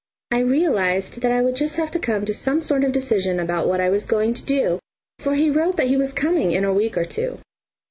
I realised that I would just have to come to some sort of decision about what I was going to do, for he wrote that he was coming in a week or two.